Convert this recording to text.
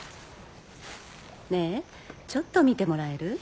ねぇちょっと見てもらえる？